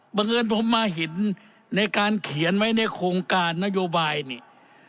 บังเอิญผมมาเห็นในการเขียนไว้ในโครงการนโยบายนี่